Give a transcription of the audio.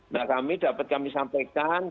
nah kami dapat kami sampaikan